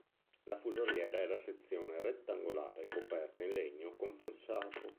La fusoliera era a sezione rettangolare, coperta in legno compensato.